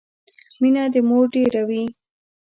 مينه د مور ډيره وي